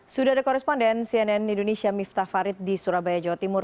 sudah ada koresponden cnn indonesia miftah farid di surabaya jawa timur